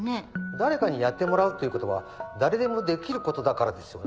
誰かにやってもらうということは誰でもできることだからですよね。